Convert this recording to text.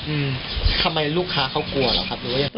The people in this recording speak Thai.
อืมทำไมลูกค้ากลัวเหรอครับนุ้ย